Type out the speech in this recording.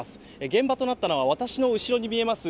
現場となったのは、私の後ろに見えます